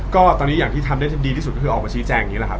ก็ตอนนี้อย่างที่ทำได้ดีที่สุดก็คือออกมาชี้แจงอย่างนี้แหละครับ